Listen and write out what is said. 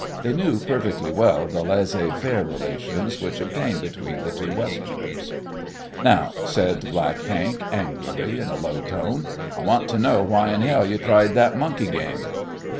They knew perfectly well the laissez faire relations which obtained between the two Westerners. "Now," said Black Hank, angrily, in a low tone, "I want to know why in hell you tried that monkey game!"